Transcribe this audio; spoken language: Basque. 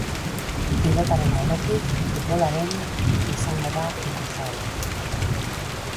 Pilotaren aurretik, futbolaren izango da ikusgai.